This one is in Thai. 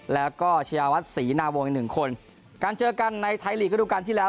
แล้วก็ชะยาวัดศรีหน้าวงกัน๑คนการเจอกันในไทยลีกก็ดูกันที่แล้ว